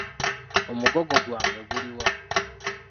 Omugogo gwange guli wa?